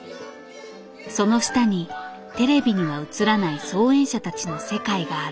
その下にテレビには映らない操演者たちの世界がある。